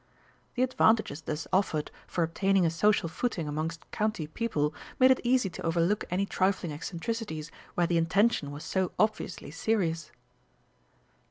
The advantages thus offered for obtaining a social footing amongst county people made it easy to overlook any trifling eccentricities where the intention was so obviously serious.